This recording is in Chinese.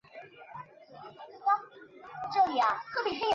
参拜者也多为女性。